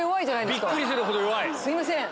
すいません。